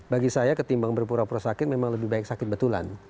bagi saya ketimbang berpura pura sakit memang lebih baik sakit betulan